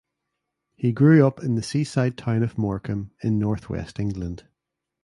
He grew up in the seaside town of Morecambe in north west England.